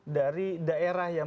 dari daerah yang